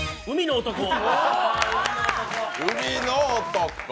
「海の男」